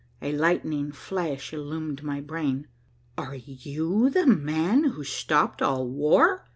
A lightning flash illumined my brain. "Are you the man who stopped all war?"